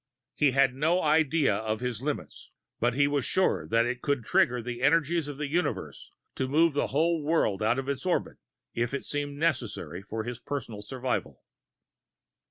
He had no idea of his limits but he was sure that it could trigger the energies of the universe to move the whole world out of its orbit, if that seemed necessary for his personal survival!